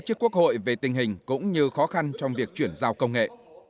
trước quốc hội về tình hình cũng như khó khăn trong việc chuyển giao công nghệ